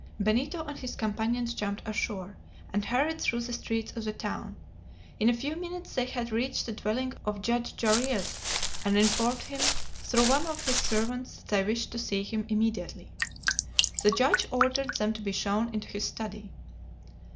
Benito and his companions jumped ashore, and hurried through the streets of the town. In a few minutes they had reached the dwelling of Judge Jarriuez, and informed him, through one of his servants, that they wished to see him immediately. The judge ordered them to be shown into his study.